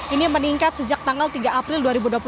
ini meningkat sejak tanggal tiga april dua ribu dua puluh satu